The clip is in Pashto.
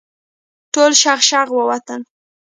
ټول شغ شغ ووتل.